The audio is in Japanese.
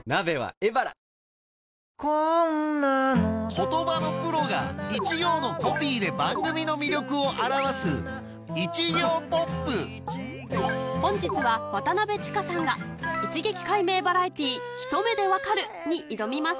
言葉のプロが一行のコピーで番組の魅力を表す本日は渡千佳さんが『一撃解明バラエティひと目でわかる‼』に挑みます